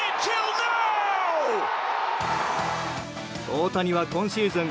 大谷は、今シーズン